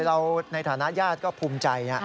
เราในฐานะญาติก็ภูมิใจ